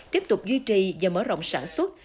tiếp tục duy trì và mở rộng sản xuất